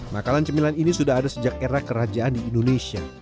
bakalan cemilan ini sudah ada sejak era kerajaan di indonesia